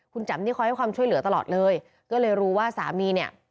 คุณแจ๋มนี่คอยให้ความช่วยเหลือตลอดเลยก็เลยรู้ว่าสามีเนี่ย